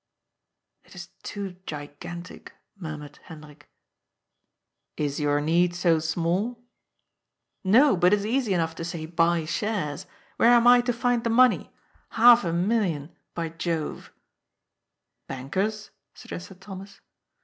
" It is too gigantic," murmured Hendrik. " Is your need so small ?"" No, but it is easy enough to say :* Buy shares.' Where am I to find the money ? Half a million, by Jove I "" Bankers ?" suggested Thomas.